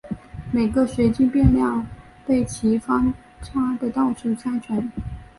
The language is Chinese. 每个随机变量被其方差的倒数加权。